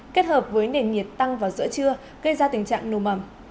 kết hợp với nền nhiệt tăng vào giữa trưa gây ra tình trạng nồm ẩm